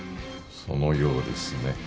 そのようですね。